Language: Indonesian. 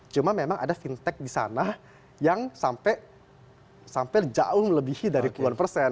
cuma memang ada fintech di sana yang sampai jauh melebihi dari puluhan persen